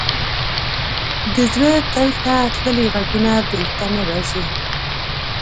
د زړه تل ته تللي ږغونه بېرته نه راځي.